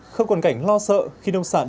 không còn cảnh lo sợ khi nông sản